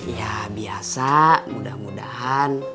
ya biasa mudah mudahan